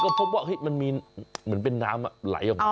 ก็พบว่ามันมีเหมือนเป็นน้ำไหลออกมา